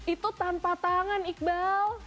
itu tanpa tangan iqbal